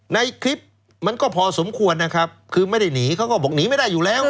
ในคลิปมันก็พอสมควรนะครับคือไม่ได้หนีเขาก็บอกหนีไม่ได้อยู่แล้ว